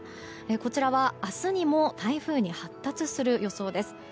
こちらは明日にも台風に発達する予想です。